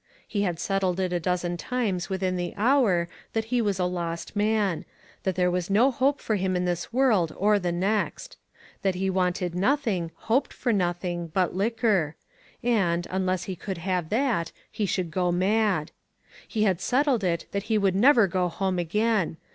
He had settled it a dozen times within the hour that he was a lost man ; that there was no hope for him in this world or the next; that he wanted nothing, hoped for nothing, but liquor; and, unless he could have that, he should go mad. He had set tled it that he would never go home again.